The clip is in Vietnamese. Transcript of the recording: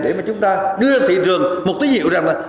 để mà chúng ta đưa ra thị trường một tí hiệu rằng là